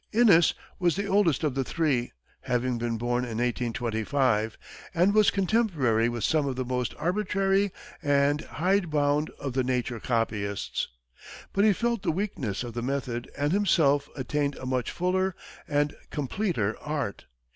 Inness was the oldest of the three, having been born in 1825, and was contemporary with some of the most arbitrary and hide bound of the nature copyists. But he felt the weakness of the method and himself attained a much fuller and completer art.